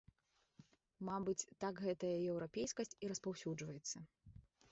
Мабыць, так гэтая еўрапейскасць і распаўсюджваецца.